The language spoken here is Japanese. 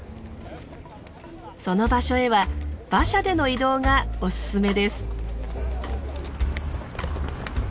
その場所へは馬車での移動がおすすめです。